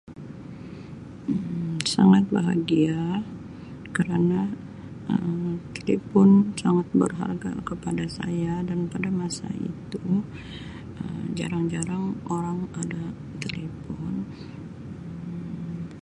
Um Sangat bahagia kerana Um telepon sangat berharga kepada saya dan pada masa itu Um jarang-jarang orang ada telefon Um.